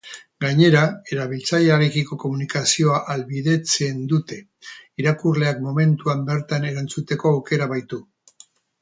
Gainera, erabiltzailearekiko komunikazioa ahalbidetzen dute, irakurleak momentuan bertan erantzuteko aukera baitu.